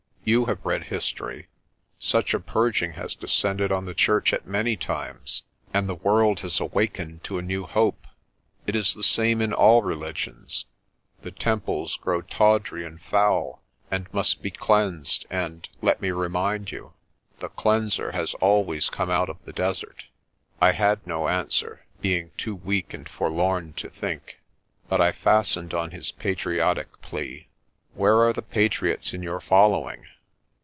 You have read history. Such a purging has descended on the Church at many times, and the world has awakened to a new hope. It is the same in all religions. The temples grow tawdry and foul and must be cleansed and, let me remind you, the cleanser has always come out of the desert." I had no answer, being too weak and forlorn to think. But I fastened on his patriotic plea. "Where are the patriots in your following?